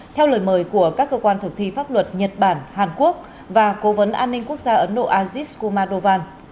theo lời mời của các cơ quan thực thi pháp luật nhật bản hàn quốc và cố vấn an ninh quốc gia ấn độ azis kumatovan